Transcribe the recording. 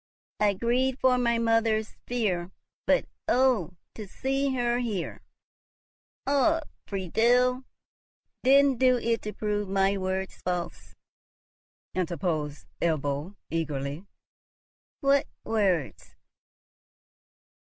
I grieved for my mother's fear; but oh, to see her here!" "Ah, Friedel! didst do it to prove my words false?" interposed Ebbo, eagerly. "What words?"